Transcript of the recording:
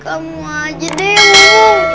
kamu aja deh